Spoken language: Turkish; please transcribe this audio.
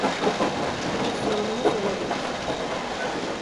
Bir sorunumuz olabilir.